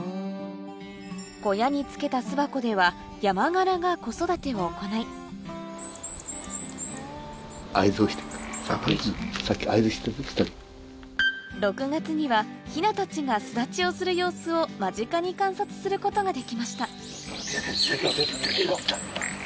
小屋に付けた巣箱ではヤマガラが子育てを行いヒナたちが巣立ちをする様子を間近に観察することができました